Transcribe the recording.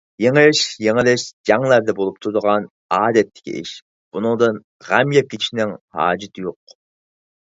يېڭىش - يېڭىلىش جەڭلەردە بولۇپ تۇرىدىغان ئادەتتىكى ئىش، بۇنىڭدىن غەم يەپ كېتىشنىڭ ھاجىتى يوق.